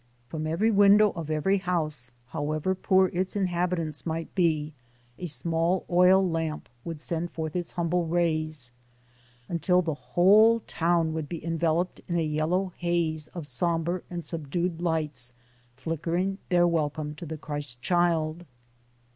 From every window of every house, however poor its A NATIVE OF ANCIENT APULIA 27 inhabitants might be, a small oil lamp would send forth its humble rays, until the whole town would be enveloped in a yellow haze of somber and subdued lights flickering their welcome to the Christ Child.